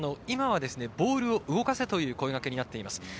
今はボールを動かせという声かけになっています。